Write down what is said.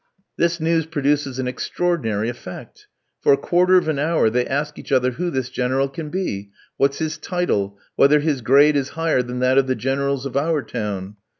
This news produces an extraordinary effect. For a quarter of an hour they ask each other who this General can be? what's his title? whether his grade is higher than that of the Generals of our town?